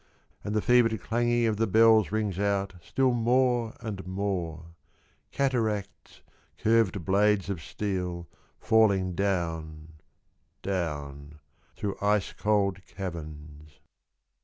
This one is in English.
And the fevered clanging of the bells Rings out still more and more : Cataracts, curved blades of steel Falling down down Through ice cold caverns : 44 Soliloquy and Speech.